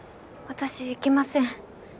私行けません。